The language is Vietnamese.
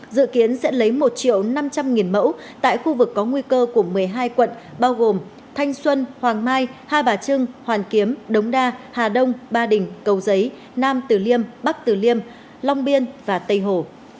dự kiến sẽ lấy một triệu năm trăm linh mẫu tại khu vực có nguy cơ của một mươi hai quận bao gồm thanh xuân hoàng mai hai bà trưng hoàn kiếm đống đa hà đông ba đình cầu giấy nam tử liêm bắc tử liêm long biên và tây hồ